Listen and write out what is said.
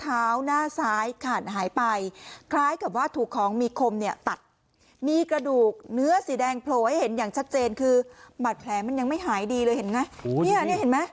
หน้าซ้ายขาดหายไปคล้ายกับว่าถูกของมีคมเนี่ยตัดมีกระดูกเนื้อสีแดงโผล่ให้เห็นอย่างชัดเจนคือบาดแผลมันยังไม่หายดีเลยเห็นไหมเนี่ยเห็นไหม